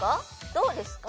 どうですか？